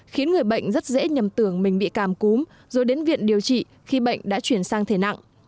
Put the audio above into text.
khiến người bệnh rất dễ nhầm tưởng mình bị càm cúm rồi đến viện điều trị khi bệnh đã chuyển sang thể nặng